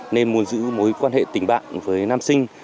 nên muốn giữ mối quan hệ tình bạn với nam sinh